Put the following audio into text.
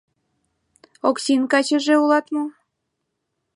Оксин качыже улат мо?